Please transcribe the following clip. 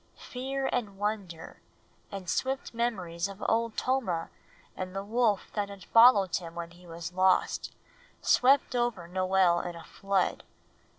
Fear and wonder, and swift memories of Old Tomah and the wolf that had followed him when he was lost, swept over Noel in a flood.